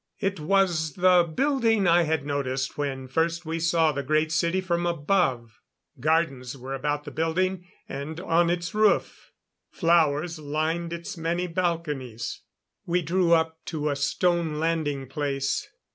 It was the building I had noticed when first we saw the Great City from above. Gardens were about the building, and on its roof. Flowers lined its many balconies. We drew up to a stone landing place.